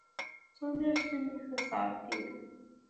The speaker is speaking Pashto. څو مياشتې مې ښه ساعت تېر و.